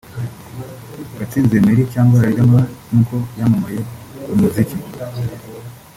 Gatsinzi Emery cyangwa se Riderman nk'uko yamamaye mu muziki